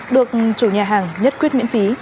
được chủ nhà hàng nhất quyết miễn phí